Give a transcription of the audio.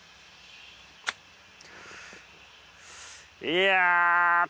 いや。